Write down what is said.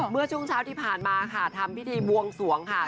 เมื่อช่วงเช้าที่ผ่านมาค่ะทำพิธีบวงสวงค่ะ